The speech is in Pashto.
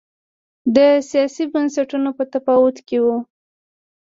دا د سیاسي بنسټونو په تفاوت کې و